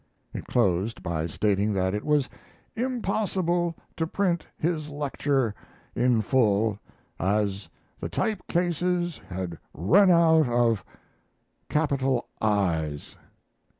It closed by stating that it was "impossible to print his lecture in full, as the type cases had run out of capital I's."